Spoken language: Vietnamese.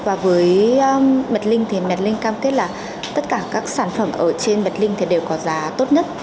và với medlink thì medlink cam kết là tất cả các sản phẩm ở trên medlink thì đều có giá tốt nhất